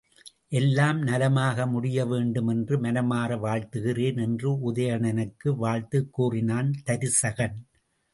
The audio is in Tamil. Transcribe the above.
எல்லாம் நலமாக முடியவேண்டும் என்று மனமார வாழ்த்துகிறேன் என்று உதயணனுக்கு வாழ்த்துக் கூறினான் தருசகன்.